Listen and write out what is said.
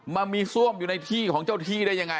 มันมีซ่วมอยู่ในที่ของเจ้าที่ได้ยังไง